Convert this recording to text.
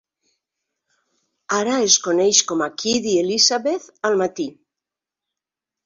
Ara es coneix com a "Kidd i Elizabeth al matí".